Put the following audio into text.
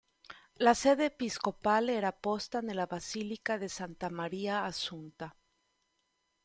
La sede episcopale era posta nella basilica di Santa Maria Assunta.